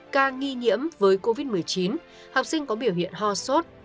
ca nghi nhiễm với covid một mươi chín học sinh có biểu hiện ho sốt